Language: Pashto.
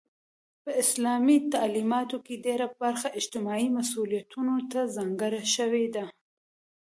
په اسلامي تعلیماتو کې ډيره برخه اجتماعي مسئولیتونو ته ځانګړې شوی ده.